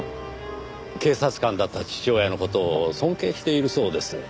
警察官だった父親の事を尊敬しているそうです。